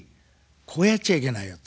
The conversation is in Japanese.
こうやっちゃいけないよと。